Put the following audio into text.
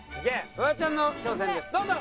フワちゃんの挑戦ですどうぞ。